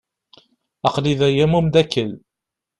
Aql-i da am umdakel.